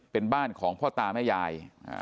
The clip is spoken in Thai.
เป็นบ้านของพ่อตาแม่ยาย